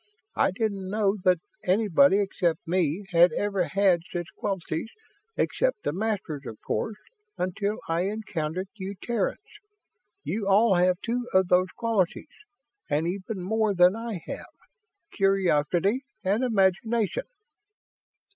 I didn't know that anybody except me had ever had such qualities except the Masters, of course until I encountered you Terrans. You all have two of those qualities, and even more than I have curiosity and imagination."